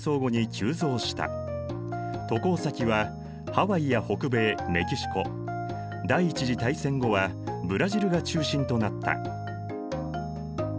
渡航先はハワイや北米メキシコ第一次大戦後はブラジルが中心となった。